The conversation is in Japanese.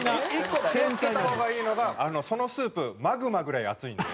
１個気を付けた方がいいのがそのスープマグマぐらい熱いんで。